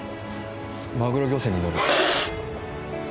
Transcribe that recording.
マグロ漁船に乗る。